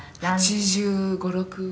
「８５８６？」